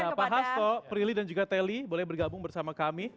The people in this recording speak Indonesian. ya pak hasto prilly dan juga teli boleh bergabung bersama kami